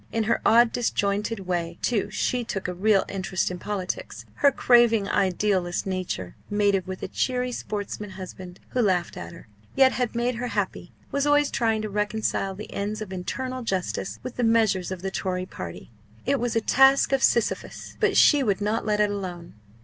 In her odd disjointed way, too, she took a real interest in politics. Her craving idealist nature mated with a cheery sportsman husband who laughed at her, yet had made her happy was always trying to reconcile the ends of eternal justice with the measures of the Tory party. It was a task of Sisyphus; but she would not let it alone.